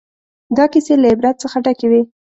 دا کیسې له عبرت څخه ډکې وې.